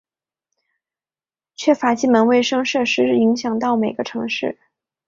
缺乏基本卫生设施影响到每个城市。